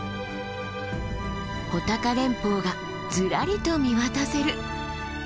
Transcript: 穂高連峰がズラリと見渡せる。